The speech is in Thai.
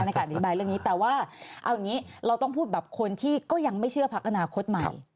การอธิบายเรื่องนี้แต่ว่าเอาอย่างนี้เราต้องพูดแบบคนที่ก็ยังไม่เชื่อพักอนาคตใหม่